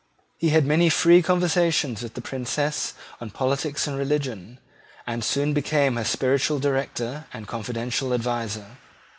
He had many free conversations with the Princess on politics and religion, and soon became her spiritual director and confidential adviser.